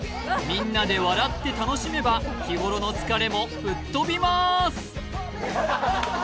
みんなで笑って楽しめば日頃の疲れも吹っ飛びます！